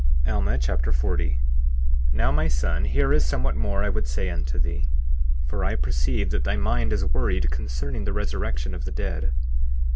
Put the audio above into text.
Alma Chapter 40 40:1 Now my son, here is somewhat more I would say unto thee; for I perceive that thy mind is worried concerning the resurrection of the dead.